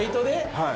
はい。